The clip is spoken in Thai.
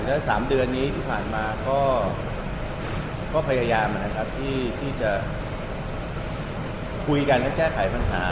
แล้ว๓เดือนนี้ที่ผ่านมาก็พยายามนะครับที่จะคุยกันและแก้ไขปัญหา